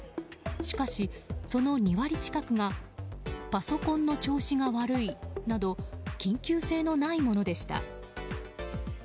しかし、その２割近くがパソコンの調子が悪いなど緊急性のないものでした。